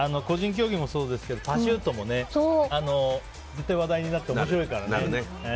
個人競技もそうですけどパシュートも絶対話題になって面白いからね。